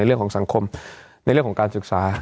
เรื่องของสังคมในเรื่องของการศึกษา